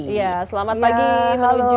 iya selamat pagi menuju